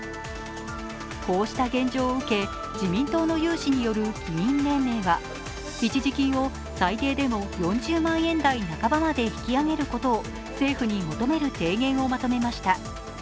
こうした現状を受け、自民党の有志による議員連盟は一時金を最低でも４０万円台半ばまで引き上げることを政府に求める提言をまとめました。